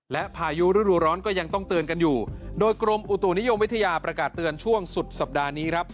และพายุฤดูร้อนก็ยังต้องเตือนกันอยู่โดยกรมอุตุนิยมวิทยาประกาศเตือนช่วงสุดสัปดาห์นี้ครับ